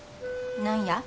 何や？